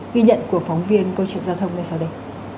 ghi nhận của phóng viên câu chuyện giao thông ngay sau đây